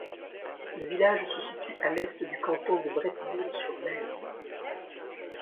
Le village se situe à l'est du canton de Bretteville-sur-Laize.